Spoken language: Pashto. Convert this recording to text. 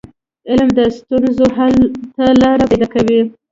علم د ستونزو حل ته لار پيداکوي.